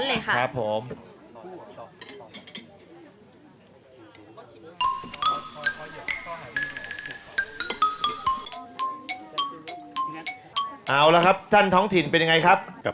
เอาละครับท่านท้องถิ่นเป็นยังไงครับ